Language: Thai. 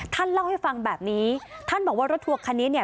ท่านเล่าให้ฟังแบบนี้ท่านบอกว่ารถทัวร์คันนี้เนี่ย